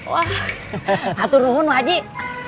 wah hatur hutur wak